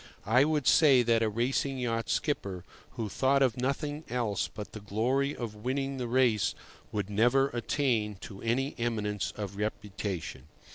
I would say that a racing yacht skipper who thought of nothing else but the glory of winning the race would never attain to any eminence of reputation.